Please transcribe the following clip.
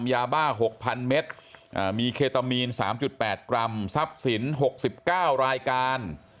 ยาบ้า๖๐๐๐เมตรมีเคตามีน๓๘กรัมทรัพย์สิน๖๙รายการ